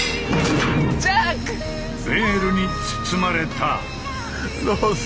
ベールに包まれた。